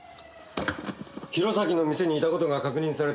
弘前の店にいた事が確認された。